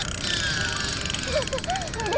翼おいで。